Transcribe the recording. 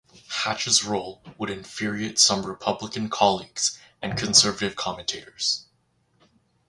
Hatch's role would infuriate some Republican colleagues and conservative commentators.